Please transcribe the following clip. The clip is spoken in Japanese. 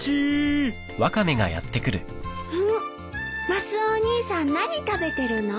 マスオお兄さん何食べてるの？